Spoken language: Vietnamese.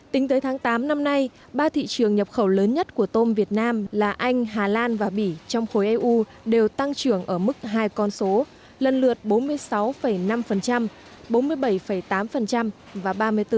tính tới tháng tám năm nay ba thị trường nhập khẩu lớn nhất của tôm việt nam là anh hà lan và bỉ trong khối eu đều tăng trưởng ở mức hai con số lần lượt bốn mươi sáu năm bốn mươi bảy tám và ba mươi bốn